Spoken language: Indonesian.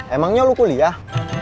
emangnya lu kuliah